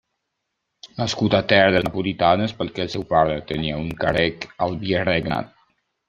Nascut a terres napolitanes perquè el seu pare tenia un càrrec al virregnat.